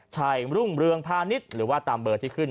รุ่งเรืองพาณิชย์หรือว่าตามเบอร์ที่ขึ้น